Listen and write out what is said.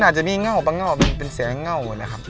มันอาจจะมีเง่าไปเง่าแต่เป็นแสงเง่านะครับ